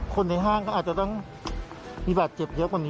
คนในห้างก็อาจจะต้องมีบาดเจ็บเยอะกว่านี้